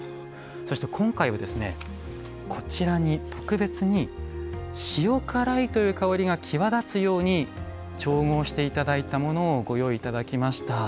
そして、今回はこちらに特別に塩辛いという香りが際立つように調合していただいたものをご用意いただきました。